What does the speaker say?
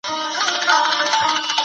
د دوی اثار باید وڅېړل سي.